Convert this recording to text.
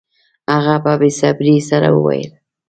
هغه په بې صبرۍ سره وویل